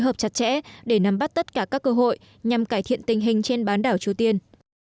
hợp chặt chẽ để nắm bắt tất cả các cơ hội nhằm cải thiện tình hình trên bán đảo triều tiên